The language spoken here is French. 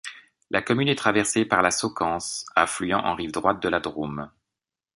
La commune est traversée par la Soquence, affluent en rive droite de la Drôme.